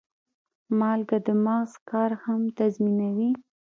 مالګه د مغز کار هم تنظیموي.